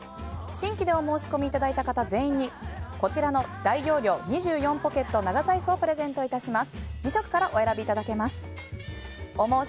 新規でお申し込みいただいた方全員に大容量２４ポケット長財布をプレゼントいたします。